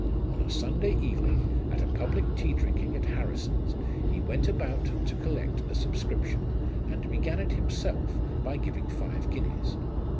On a Sunday evening, at a public tea drinking at Harrison's, he went about to collect a subscription, and began it himself by giving five guineas.